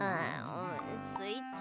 スイッチ？